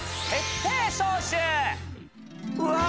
うわ！